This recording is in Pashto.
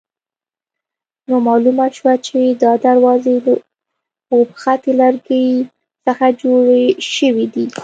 نو معلومه شوه چې دا دروازې له اوبښتي لرګي څخه جوړې شوې دي.